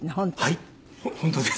はい本当です。